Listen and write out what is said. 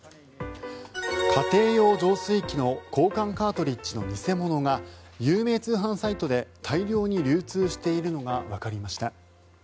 家庭用浄水器の交換カートリッジの偽物が有名通販サイトで大量に流通しているのがわかりました。